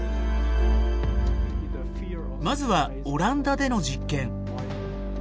まずはオランダでの実験。